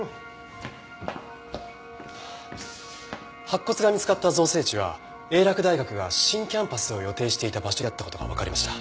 白骨が見つかった造成地は英洛大学が新キャンパスを予定していた場所だった事がわかりました。